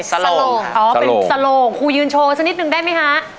สโล่งอ๋อเป็นสโหลงครูยืนโชว์สักนิดนึงได้ไหมคะ